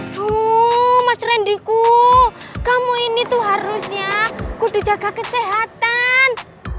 tuhh mas rendiku kamu ini tuh harusnya kudu jaga kesehatan